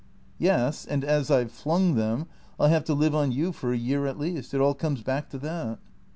" Yes, and as I 've flung them, I '11 have to live on you for a year at least. It all comes back to that."